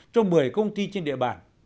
cho một mươi công ty trên địa bàn